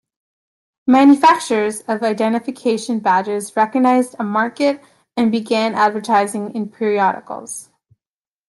Manufacturers of identification badges recognized a market and began advertising in periodicals.